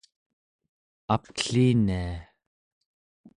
aptellinia